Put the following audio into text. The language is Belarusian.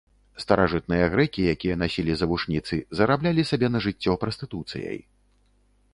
Старажытныя грэкі, якія насілі завушніцы, зараблялі сабе на жыццё прастытуцыяй.